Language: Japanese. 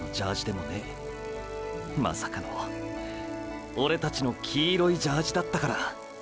まさかのオレたちの黄色いジャージだったから。